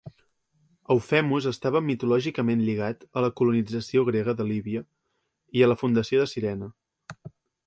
Eufemus estava mitològicament lligat a la colonització grega de Líbia i a la fundació de Cirene.